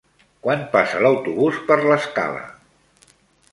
Quan passa l'autobús per l'Escala?